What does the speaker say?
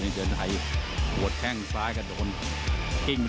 โดนจอยยางไปเยอะเลย